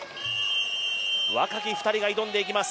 若き２人が挑んでいきます。